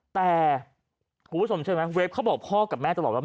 แต่คุณผู้ชมเชื่อไหมเวฟเขาบอกพ่อกับแม่ตลอดว่า